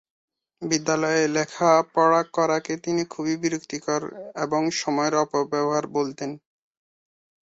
বিদ্যালয়ে লেখাপড়া করাকে তিনি খুবই বিরক্তিকর এবং সময়ের অপব্যবহার বলতেন।